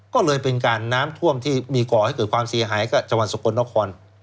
ก็เลยเป็นการน้ำท่วมที่มีก่อให้เกิดความเสียหายกับจังหวัดสกลนคร